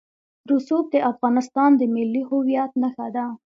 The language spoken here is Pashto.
رسوب د افغانستان د ملي هویت نښه ده.